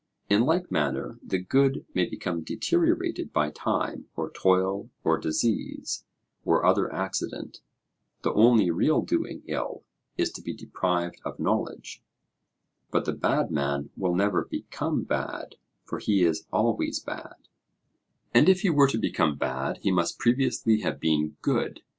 In like manner the good may become deteriorated by time, or toil, or disease, or other accident (the only real doing ill is to be deprived of knowledge), but the bad man will never become bad, for he is always bad; and if he were to become bad, he must previously have been good.